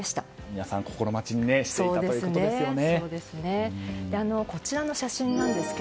皆さん心待ちにしていたということですよね。